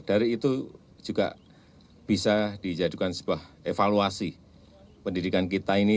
dari itu juga bisa dijadikan sebuah evaluasi pendidikan kita ini